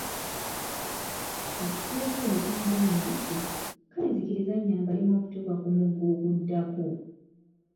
Ekikulekule ne kimugamba nti, Kale nzikiriza nnyambalemu okutuuka ku mugga oguddako.